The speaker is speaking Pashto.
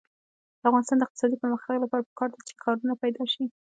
د افغانستان د اقتصادي پرمختګ لپاره پکار ده چې کارونه پیدا شي.